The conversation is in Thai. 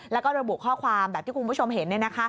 แล้วก็ระบุข้อความแบบที่คุณผู้ชมเห็น